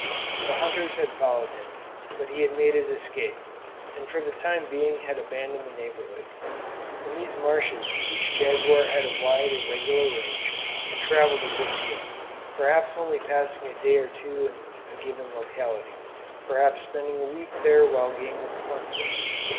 The hunters had followed him, but he had made his escape, and for the time being had abandoned the neighborhood. In these marshes each jaguar had a wide irregular range and travelled a good deal, perhaps only passing a day or two in a given locality, perhaps spending a week where game was plentiful.